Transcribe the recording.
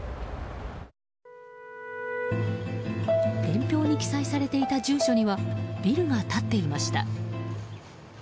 伝票に記載されていた住所にはビルが建っていました。